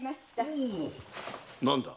何だ？